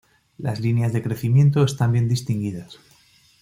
Las líneas de crecimiento están bien distinguidas.